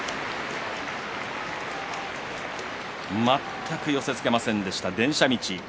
全く寄せつけませんでした電車道。